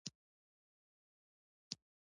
داسې عیار شي تر څو هېواد ته پېښ ګواښونه درک کړي.